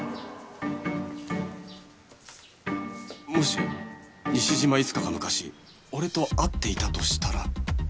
もし西島いつかが昔俺と会っていたとしたら